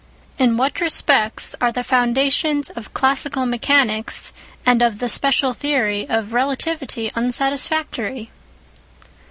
IN WHAT RESPECTS ARE THE FOUNDATIONS OF CLASSICAL MECHANICS AND OF THE SPECIAL THEORY OF RELATIVITY UNSATISFACTORY?